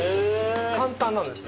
簡単なんですよ。